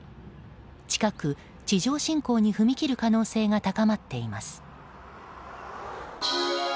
近く地上侵攻に踏み切る可能性が高まっています。